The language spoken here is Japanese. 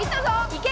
いけ！」